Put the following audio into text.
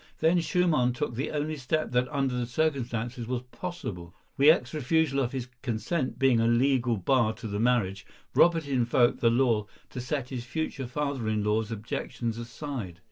Then Schumann took the only step that under the circumstances was possible. Wieck's refusal of his consent being a legal bar to the marriage, Robert invoked the law to set his future father in law's objections aside.